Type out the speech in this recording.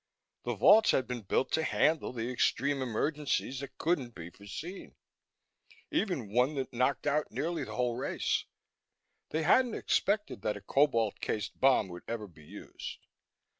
The vaults had been built to handle the extreme emergencies that couldn't be foreseen even one that knocked out nearly the whole race. They hadn't expected that a cobalt cased bomb would ever be used.